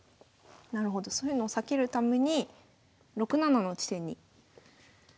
なるほどそういうのを避けるために６七の地点に利きを。